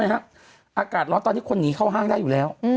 อากาศร้อนตอนนี้คนหนีเข้าห้างได้อยู่แล้ว